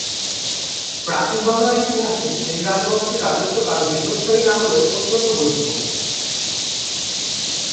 প্রাচীন বাংলার ইতিহাসে সেন রাজবংশের রাজত্বকাল দীর্ঘস্থায়ী না হলেও অত্যন্ত গুরুত্বপূর্ণ।